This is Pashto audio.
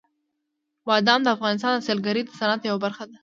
بادام د افغانستان د سیلګرۍ د صنعت یوه برخه ده.